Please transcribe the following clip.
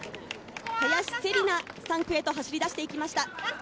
林静里奈、３区へと走り出していきました。